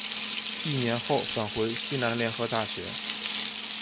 一年后返回西南联合大学。